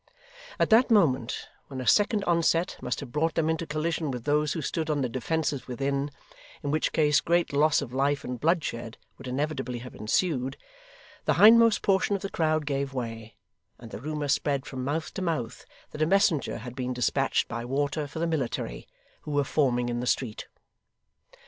At that moment, when a second onset must have brought them into collision with those who stood on the defensive within, in which case great loss of life and bloodshed would inevitably have ensued, the hindmost portion of the crowd gave way, and the rumour spread from mouth to mouth that a messenger had been despatched by water for the military, who were forming in the street.